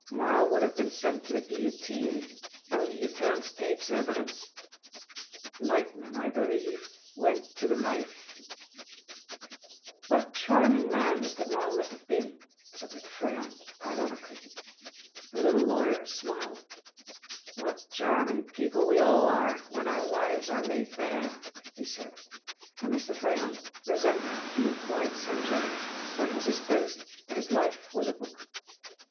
Marl would have been sent to the guillotine, only he turned State's evidence. Lightman, I believe, went to the knife." "What a charming man Mr. Marl must have been!" said Mr. Froyant ironically. The little lawyer smiled. "What charming people we all are when our lives are laid bare!" he said, and Mr. Froyant resented the implied censure, for it was his boast that his life was a book.